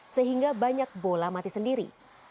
sehingga banyak bola mati sendiri